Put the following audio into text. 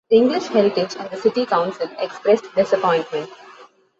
English Heritage and the city council expressed disappointment.